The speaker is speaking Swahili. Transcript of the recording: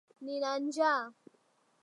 Nina njaa